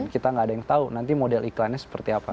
kita nggak ada yang tahu nanti model iklannya seperti apa